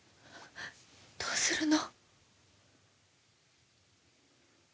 どうするの？